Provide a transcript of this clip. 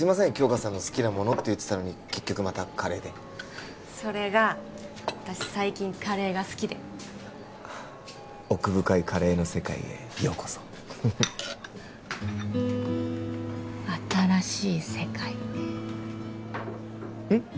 杏花さんの好きなものって言ってたのに結局またカレーでそれが私最近カレーが好きで奥深いカレーの世界へようこそ新しい世界ねうん？